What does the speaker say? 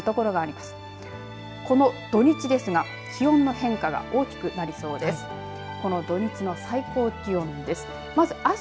この土日ですが気温の変化が大きくなりそうです。